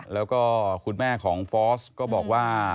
แล้วก็คุณแม่ของฟอสก็บอกว่า